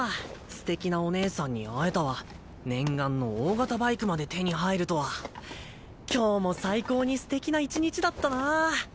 すてきなおねえさんに会えたわ念願の大型バイクまで手に入るとは今日も最高にすてきな一日だったなぁ。